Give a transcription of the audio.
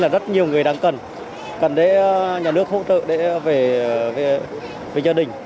rất nhiều người đang cần cần để nhà nước hỗ trợ để về gia đình